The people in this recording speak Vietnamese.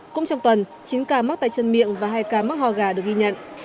cũng trong tuần chín ca mắc tay chân miệng và hai ca mắc ho gà được ghi nhận